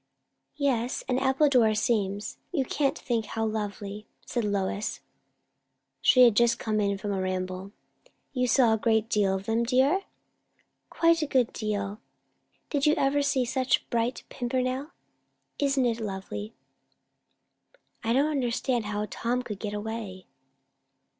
"Yes, and Appledore seems, you can't think how lonely," said Lois. She had just come in from a ramble. "You saw a great deal of them, dear?" "Quite a good deal. Did you ever see such bright pimpernel? Isn't it lovely?" "I don't understand how Tom could get away."